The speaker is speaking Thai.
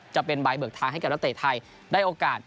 จะเป็นใบเบิกทางให้กับนักเตะไทย